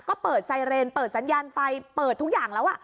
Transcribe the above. ก็เปิดไซเรนเปิดสัญญาณไฟเปิดทุกอย่างแล้ว